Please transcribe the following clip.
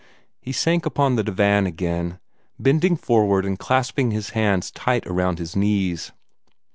He sank upon the divan again, bending forward and clasping his hands tight around his knees.